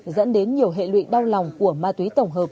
dẫn đến nhiều hệ lụy đau lòng của ma túy tổng hợp